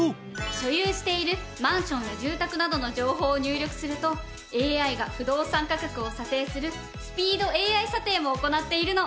所有しているマンションや住宅などの情報を入力するとＡＩが不動産価格を査定するスピードＡＩ査定も行っているの。